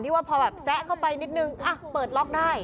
ว่าพอแบบแซะเข้าไปนิดนึงเปิดล็อกได้